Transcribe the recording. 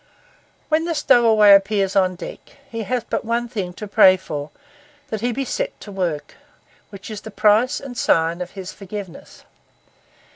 When the stowaway appears on deck, he has but one thing to pray for: that he be set to work, which is the price and sign of his forgiveness.